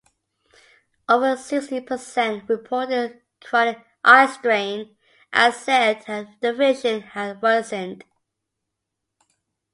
Over sixty percent reported chronic eyestrain and said their vision had worsened.